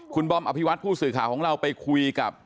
คุณบอมอภิวัตผู้สื่อข่าวของเราไปคุยกับ